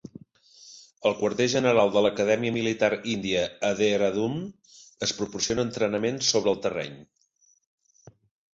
Al quarter general de l"Acadèmia Militar Índia a Dehradun es proporciona entrenament sobre el terreny.